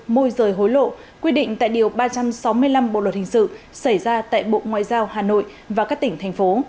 môi rời hối lộ quy định tại điều ba trăm sáu mươi năm bộ luật hình sự xảy ra tại bộ ngoại giao hà nội và các tỉnh thành phố